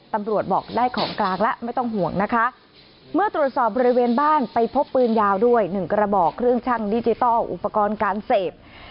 ตำรวจบอกได้ของกลางแล้วไม่ต้องห่วงนะคะเมื่อตรวจสอบบริเวณบ้านไปพบปืนยาวด้วยหนึ่งกระบอกเครื่องชั่งดิจิทัลอุปกรณ์การเสพ